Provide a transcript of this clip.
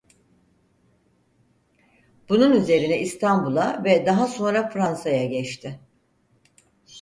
Bunun üzerine İstanbul'a ve daha sonra Fransa'ya geçti.